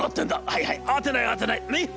『はいはい慌てない慌てないねっ。